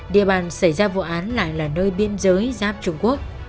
địa bàn xảy ra vụ án lại là nơi biên giới giáp trung quốc